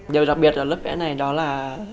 điều đặc biệt ở lớp vẽ này đó là